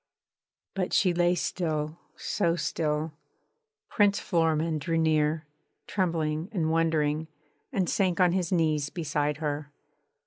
But she lay still, so still!... Prince Florimond drew near, trembling and wondering, and sank on his knees beside her.